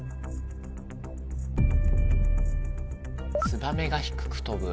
ツバメが低く飛ぶ。